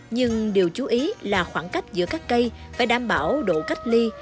nhưng điều chú ý là khoảng cách giữa các cây phải đảm bảo độ cách trồng của cây